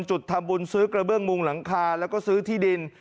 จุดทำบุญซื้อกระเบื้องมุงหลังคาแล้วก็ซื้อที่ดิน